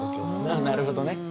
なるほどね。